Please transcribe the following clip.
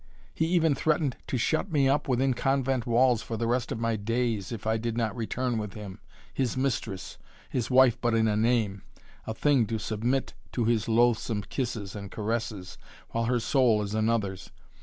He even threatened to shut me up within convent walls for the rest of my days if I did not return with him his mistress, his wife but in a name, a thing to submit to his loathsome kisses and caresses, while her soul is another's.